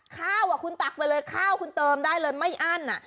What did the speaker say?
ข้าวคุณตักไปเลยข้าวคุณเติมได้เลยไม่อั้น